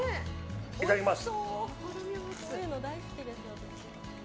いただきます。